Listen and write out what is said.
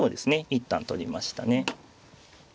一旦取りましたね。